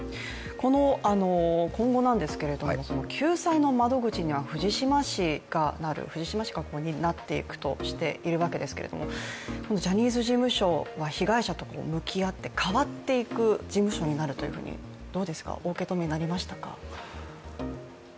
今後なんですけども、救済の窓口には藤島氏がなっていくとしているわけですけどもジャニーズ事務所は被害者と向き合って変わっていく事務所になるというふうに、どうですか、お受け止めになりましたか？